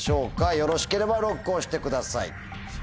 よろしければＬＯＣＫを押してください。